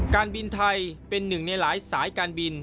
การบินไทยเป็นหนึ่งในหลายสายการบิน